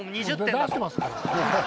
出してますから。